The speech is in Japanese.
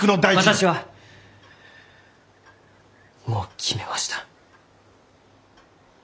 私はもう決めました。